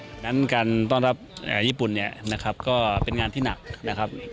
ดังนั้นการต้องรับญี่ปุ่นก็เป็นงานที่หนักนะครับ